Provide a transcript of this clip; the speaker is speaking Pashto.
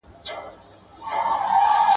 دلته زامن متوجه کوي، چي احتياط وکړي.